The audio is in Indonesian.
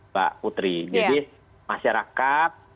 mbak putri jadi masyarakat